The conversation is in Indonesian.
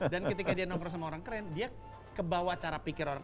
dan ketika dia nongkrong sama orang keren dia kebawa cara pikir orang